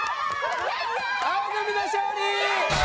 青組の勝利！